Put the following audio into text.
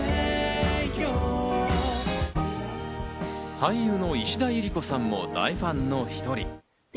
俳優の石田ゆり子さんも大ファンの１人。